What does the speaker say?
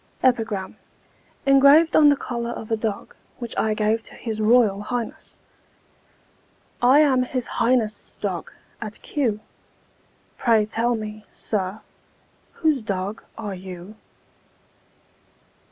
EPIGRAM, ENGRAVED ON THE COLLAR OF A DOG WHICH I GAVE TO HIS ROYAL HIGHNESS. I am His Highness' dog at Kew; Pray tell me, sir, whose dog are you?